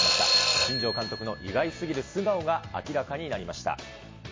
新庄監督の意外過ぎる素顔が明らかになりました。